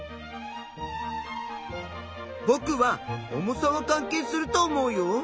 ぼくは重さは関係すると思うよ。